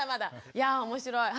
いやぁ面白い。